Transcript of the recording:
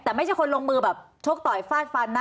แต่ไม่ใช่คนลงมือแบบชกต่อยฟาดฟันนะ